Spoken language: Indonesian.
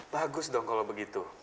bagus dong kalau begitu